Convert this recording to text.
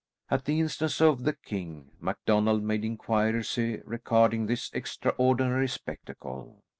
At the instance of the king, MacDonald made inquiries regarding this extraordinary spectacle.